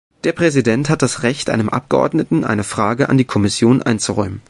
Der Präsident hat das Recht, einem Abgeordneten eine Frage an die Kommission einzuräumen.